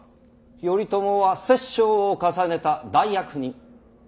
頼朝は殺生を重ねた大悪人。